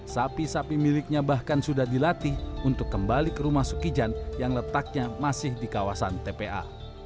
sapi sapi miliknya bahkan sudah dilatih untuk kembali ke rumah sukijan yang letaknya masih di kawasan tpa